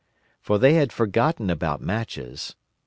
For they had forgotten about matches.